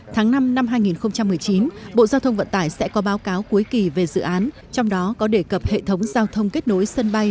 tháng năm năm hai nghìn một mươi chín bộ giao thông vận tải sẽ có báo cáo cuối kỳ về dự án trong đó có đề cập hệ thống giao thông kết nối sân bay